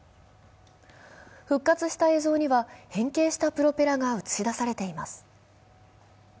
復活した映像には変形したプロペラが映し出されています。